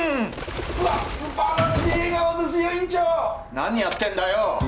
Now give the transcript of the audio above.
何やってんだよ！？